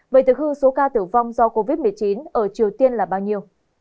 vậy từ khư số ca tử vong do covid một mươi chín ở triều tiên là bao nhiêu